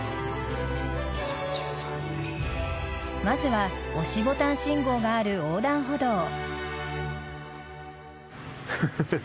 まずは、押しボタン信号がある横断歩道。